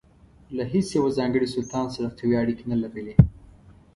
له هیڅ یوه ځانګړي سلطان سره قوي اړیکې نه لرلې.